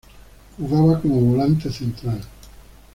Jugaba como volante central.